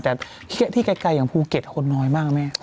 แต่ที่ไกลอย่างภูเก็ตคนน้อยมากแม่